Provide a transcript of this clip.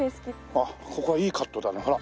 ここはいいカットだねほら。